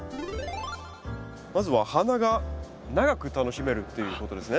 まずは花が長く楽しめるっていうことですね。